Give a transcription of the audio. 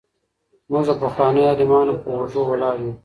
موږ د پخوانيو عالمانو په اوږو ولاړ يو.